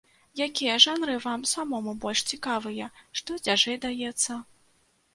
Якія жанры вам самому больш цікавыя, што цяжэй даецца?